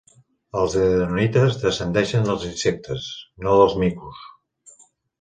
Els edenoites descendeixen dels insectes, no dels micos.